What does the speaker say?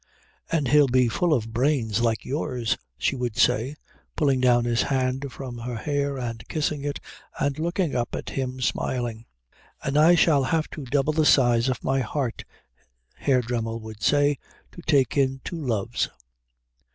"And he'll be full of brains like yours," she would say, pulling down his hand from her hair and kissing it and looking up at him smiling. "And I shall have to double the size of my heart," Herr Dremmel would say, "to take in two loves."